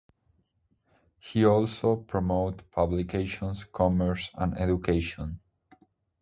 He also promoted publications, commerce and education.